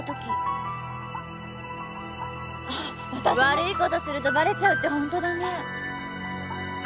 悪いことするとバレちゃうってホントだね。